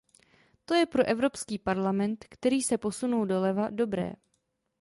To je pro Evropský parlament, který se posunul doleva, dobré.